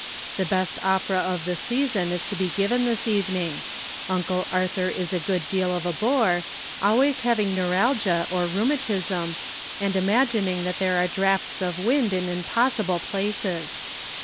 The best opera of the season is to be given this evening. Uncle Arthur is a good deal of a bore, always having neuralgia or rheumatism, and imagining that there are draughts of wind in impossible places.